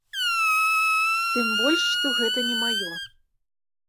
Тым больш, што гэта не маё.